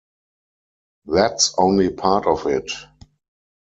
That's only part of it!